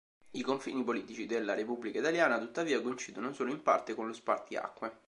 I confini politici della Repubblica Italiana, tuttavia coincidono solo in parte con lo spartiacque.